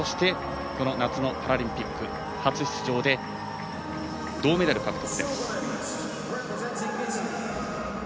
夏のパラリンピック初出場で銅メダル獲得。